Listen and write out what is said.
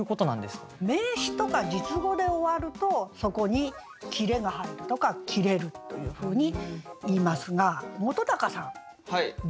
名詞とか述語で終わるとそこに切れが入るとか切れるというふうにいいますが本さん述語って知ってますよね？